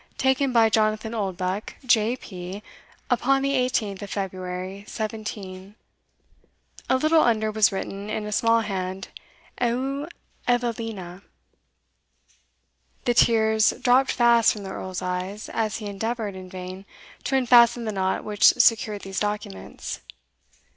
taken by Jonathan Oldbuck, J. P., upon the 18th of February, 17 ; a little under was written, in a small hand, Eheu Evelina! The tears dropped fast from the Earl's eyes, as he endeavoured, in vain, to unfasten the knot which secured these documents.